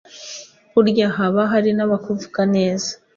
Burya haba hari n’abakuvuga neza